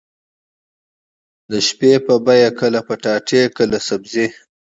د شپې به يې کله پټاټې کله سبزي.